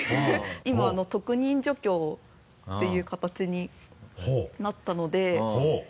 今特任助教っていう形になったので。